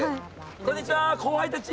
こんにちは後輩たち！